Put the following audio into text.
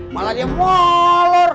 malah dia malur